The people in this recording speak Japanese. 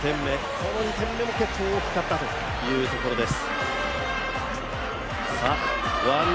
この２点目も結構大きかったというところです。